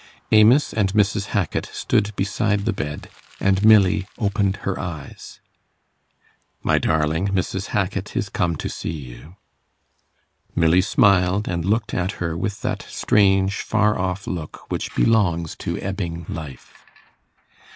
Amos and Mrs. Hackit stood beside the bed, and Milly opened her eyes. 'My darling, Mrs. Hackit is come to see you.' Milly smiled and looked at her with that strange, far off look which belongs to ebbing life.